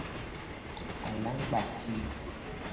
Alagba ti.